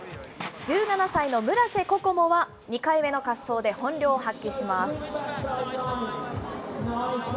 １７歳の村瀬心椛は、２回目の滑走で本領を発揮します。